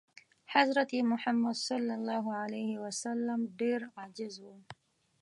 حضرت محمد ﷺ ډېر عاجز و.